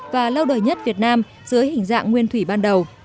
và lâu đời nhất việt nam dưới hình dạng nguyên thủy ban đầu